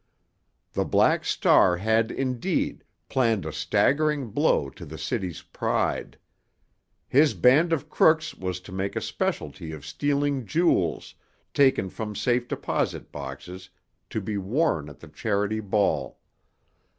The Black Star had, indeed, planned a staggering blow to the city's pride; his band of crooks was to make a specialty of stealing jewels taken from safe deposit boxes to be worn at the Charity Ball.